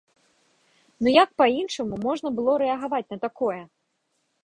Ну, як па-іншаму можна было рэагаваць на такое?